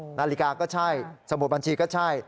นาฬิกาก็ใช่สมุดบัญชีก็ใช่